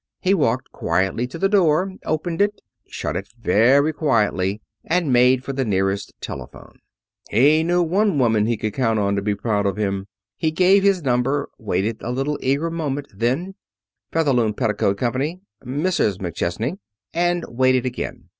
He walked quietly to the door, opened it, shut it very quietly, then made for the nearest telephone. He knew one woman he could count on to be proud of him. He gave his number, waited a little eager moment, then: "Featherloom Petticoat Company? Mrs. McChesney." And waited again.